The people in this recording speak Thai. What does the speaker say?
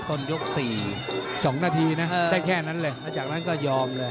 อันสุดสองนาทีนะได้แค่นั้นเลย